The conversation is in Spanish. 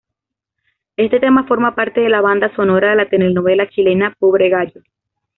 Este tema forma parte de la banda sonora de la telenovela chilena "Pobre gallo".